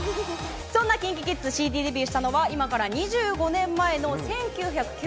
そんなＫｉｎＫｉＫｉｄｓ、ＣＤデビューしたのが今から２５年前の１９９７年。